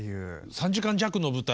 ３時間弱の舞台。